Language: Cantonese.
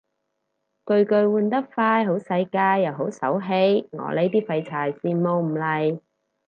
巨巨換得快好世界又好手氣，我呢啲廢柴羨慕唔嚟